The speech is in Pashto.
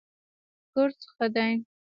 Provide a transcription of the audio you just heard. کورس ښه دی.